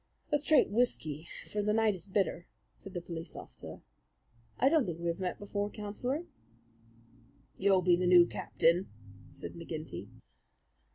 "A straight whisky; for the night is bitter," said the police officer. "I don't think we have met before, Councillor?" "You'll be the new captain?" said McGinty.